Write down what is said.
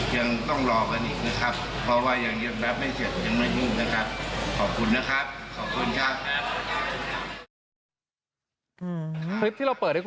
ยังต้องรอพันอีก